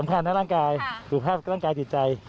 ร่างกายสำคัญสำคัญสรุปแภพร่างใจ